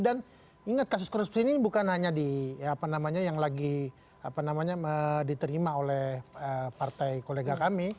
dan ingat kasus korupsi ini bukan hanya di apa namanya yang lagi apa namanya diterima oleh partai kolega kami